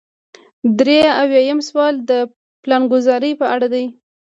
درې اویایم سوال د پلانګذارۍ په اړه دی.